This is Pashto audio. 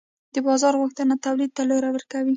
د بازار غوښتنه تولید ته لوری ورکوي.